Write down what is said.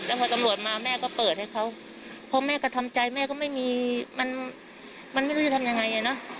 พอตำรวจมาแม่ก็เปิดให้เขาพอแม่ก็ทำใจแม่ก็ไม่มีมันมันไม่รู้จะทำยังไงไงเนอะ